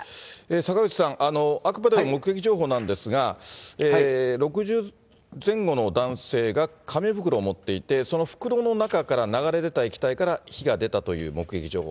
坂口さん、あくまでも目撃情報なんですが、６０前後の男性が紙袋を持っていて、その袋の中から流れ出た液体から火が出たという目撃情報。